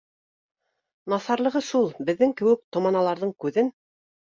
— Насарлығы шул: беҙҙең кеүек томаналарҙың күҙен